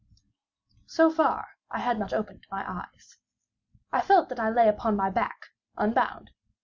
So far, I had not opened my eyes. I felt that I lay upon my back, unbound.